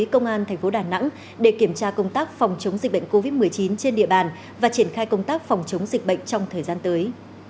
công an thành phố đà nẵng để kiểm tra công tác phòng chống dịch bệnh covid một mươi chín trên địa bàn và triển khai công tác phòng chống dịch bệnh trong thời gian tới